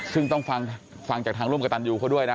ซึ่งต้องฟังจากทางร่วมกับตันยูเขาด้วยนะ